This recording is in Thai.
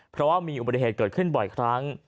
เพราะว่ามีอุบัติเหตุเกิดขึ้นบ่อยครั้ง